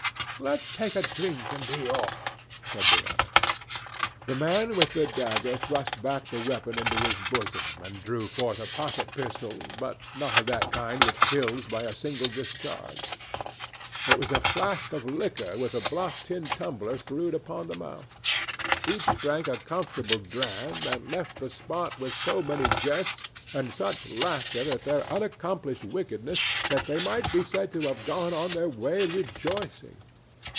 "Let's take a drink and be off," said the other. The man with the dagger thrust back the weapon into his bosom and drew forth a pocket pistol, but not of that kind which kills by a single discharge. It was a flask of liquor with a block tin tumbler screwed upon the mouth. Each drank a comfortable dram, and left the spot with so many jests and such laughter at their unaccomplished wickedness that they might be said to have gone on their way rejoicing.